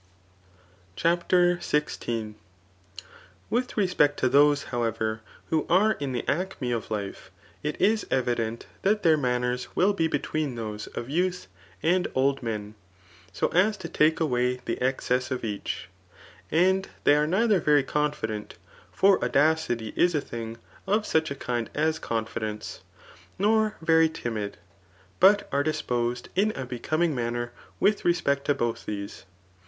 CKAF« XVI. HHITORIC. 151 CHAPTER XVI. IViTK respect to those, however, who are in the acme of life, it is evident that their manners will be between those of youth and old men, so as to take away the ex cess of each. And they are neither very confident ; for audacity is a thing of such a kind as confidence ; nor very timid, but are disposed in a becoming manner with respect to both these.